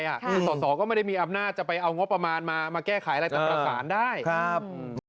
คือสอสอก็ไม่ได้มีอำนาจจะไปเอางบประมาณมามาแก้ไขอะไรแต่ประสานได้ครับ